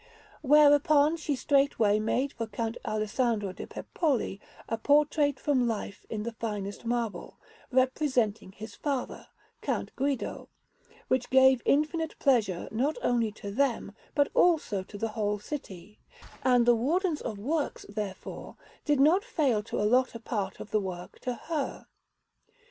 Whereupon she straightway made for Count Alessandro de' Peppoli a portrait from life in the finest marble, representing his father, Count Guido, which gave infinite pleasure not only to them, but also to the whole city; and the Wardens of Works, therefore, did not fail to allot a part of the work to her.